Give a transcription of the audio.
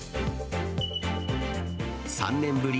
３年ぶり？